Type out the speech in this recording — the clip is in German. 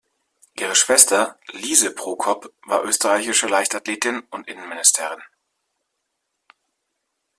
Ihre Schwester Liese Prokop war österreichische Leichtathletin und Innenministerin.